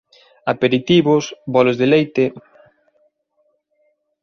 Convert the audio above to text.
Aperitivos, bolos de leite...